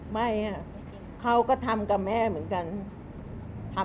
อ๋อไม่อะเขาก็ทำกับแม่เหมือนกันทำกับแม่